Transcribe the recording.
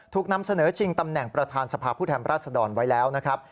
นำเสนอชิงตำแหน่งประธานสภาพผู้แทนราชดรไว้แล้วนะครับ